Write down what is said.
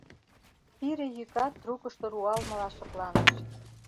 Пире йӱкат трукышто руалмыла шыпланыш.